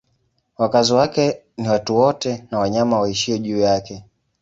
Wakazi wake ni watu wote na wanyama waishio juu yake.